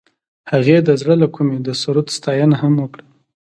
هغې د زړه له کومې د سرود ستاینه هم وکړه.